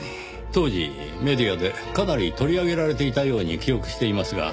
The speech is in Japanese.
当時メディアでかなり取り上げられていたように記憶していますが。